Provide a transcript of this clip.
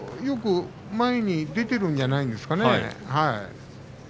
よく前に出ているんじゃないですかね。